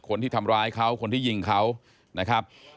คนที่ทำร้ายเขาคนที่ยิงเขานะครับ